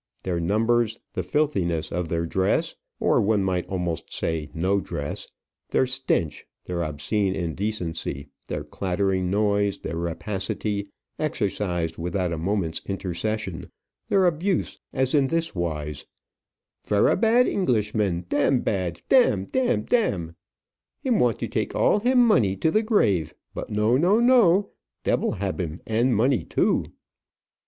Their numbers, the filthiness of their dress or one might almost say no dress their stench, their obscene indecency, their clattering noise, their rapacity, exercised without a moment's intercession; their abuse, as in this wise: "Very bad English man; dam bad; dam, dam, dam! Him want to take all him money to the grave; but no, no, no! Devil hab him, and money too!"